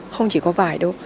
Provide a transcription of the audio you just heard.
không chỉ có vải đâu